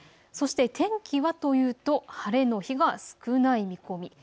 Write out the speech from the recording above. そして天気はというと晴れの日が少ない見込み。